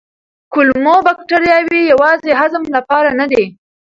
کولمو بکتریاوې یوازې هضم لپاره نه دي.